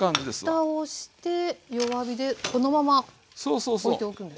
蓋をして弱火でこのままおいておくんですか？